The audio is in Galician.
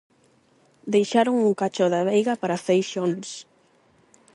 Deixaron un cacho da veiga para feixóns.